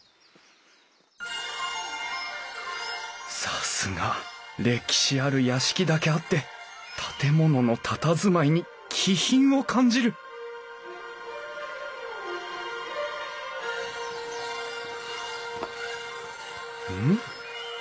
さすが歴史ある屋敷だけあって建物のたたずまいに気品を感じるうん？